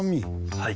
はい。